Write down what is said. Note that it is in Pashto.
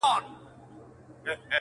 لا د مرګ په خوب ویده دی؛!